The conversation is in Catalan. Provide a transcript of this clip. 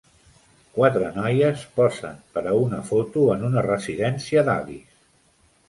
Quatre noies posen per a una foto en una residència d'avis.